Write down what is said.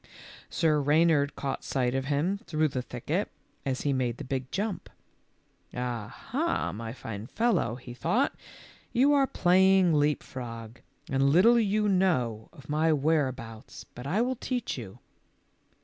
Sir Eeynard caught sight of him through the thicket as he made the big jump. " Ah, ha, my fine fellow," he thought, "you are playing leap frog, and little you know of my where abouts, but I will teach you."